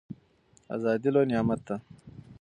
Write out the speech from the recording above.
ازادي لوی نعمت دی.